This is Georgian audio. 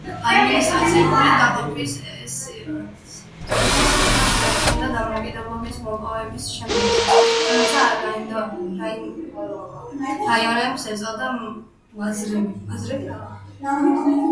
ადმინისტრაციული დაყოფის ეს სისტემა შენარჩუნდა დამოუკიდებლობის მოპოვების შემდეგაც, თუმცა რაიონებს ეწოდათ მაზრები.